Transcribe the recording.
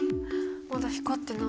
まだ光ってない。